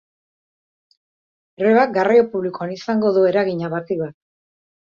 Grebak garraio publikoan izango du eragina batik bat.